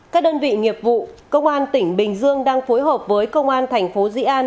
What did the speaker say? các đơn vị nghiệp vụ công an tỉnh bình dương đang phối hợp với công an thành phố di an